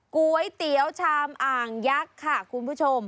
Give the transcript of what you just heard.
ก๋วยเตี๋ยวชามอ่างยักษ์ค่ะคุณผู้ชม